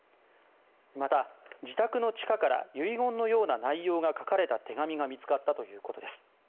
また、自宅の地下から遺言のような内容が書かれた手紙が見つかったということです。